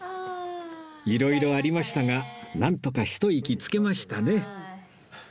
いろいろありましたがなんとかひと息つけましたね